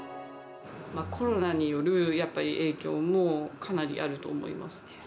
コロナによるやっぱり影響もかなりあると思いますね。